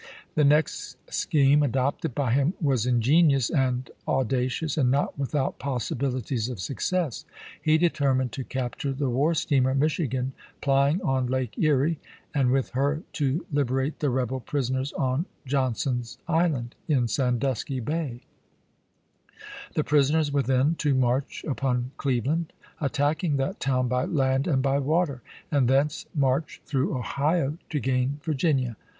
The next scheme adopted by him was ingenious and audacious, and not without possibilities of suc cess. He determined to captm^e the war steamer Michigan, plying on Lake Erie, and with her to liberate the rebel prisoners on Johnson's Island, in Sandusky Bay; the prisoners were then to march upon Cleveland, attacking that town by land and by water, and thence march through Ohio to gain Virginia.